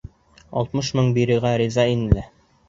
«Алтмыш мең бирергә риза ине лә».